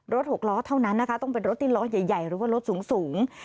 หกล้อเท่านั้นนะคะต้องเป็นรถที่ล้อใหญ่หรือว่ารถสูง